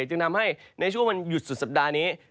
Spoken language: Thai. จึงทำให้ในช่วงวันหยุดสุดสัปดาห์นี้